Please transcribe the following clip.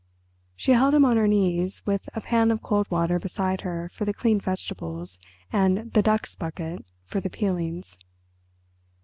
She held him on her knees, with a pan of cold water beside her for the cleaned vegetables and the "ducks' bucket" for the peelings.